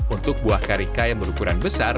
untuk buah karika yang berukuran besar